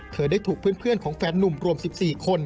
เธอได้ถูกเพื่อนของแฟนนุ่มรวม๑๔คน